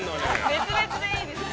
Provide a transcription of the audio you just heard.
◆別々でいいですよ。